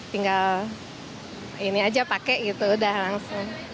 tinggal ini aja pakai gitu udah langsung